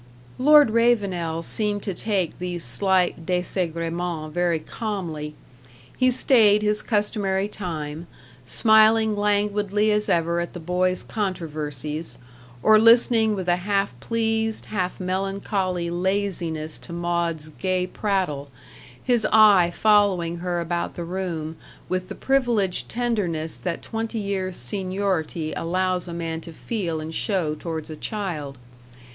Lord Ravenel seemed to take these slight desagremens very calmly. He stayed his customary time, smiling languidly as ever at the boys' controversies, or listening with a half pleased, half melancholy laziness to Maud's gay prattle, his eye following her about the room with the privileged tenderness that twenty years' seniority allows a man to feel and show towards a child.